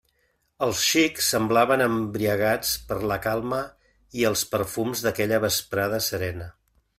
Els xics semblaven embriagats per la calma i els perfums d'aquella vesprada serena.